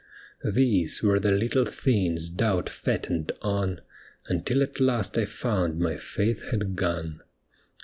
* These were the little things doubt fattened on. Until at last I found my faith had gone.